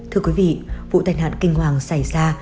thưa quý vị vụ tai nạn kinh hoàng xảy ra